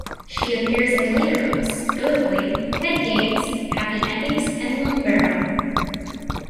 She appears in later books, notably "Head Games", "Happy Endings", and "Lungbarrow".